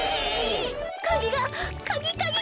かぎがかぎかぎ！